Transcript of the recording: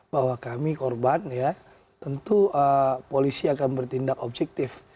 bahwa kami korban ya tentu polisi akan bertindak objektif